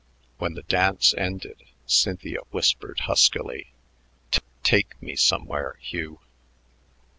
When the dance ended, Cynthia whispered huskily, "Ta take me somewhere, Hugh."